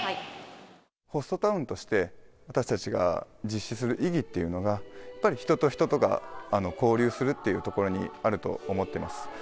ホストタウンとして私たちが実施する意義っていうのが、やっぱり人と人とが交流するっていうところにあると思っています。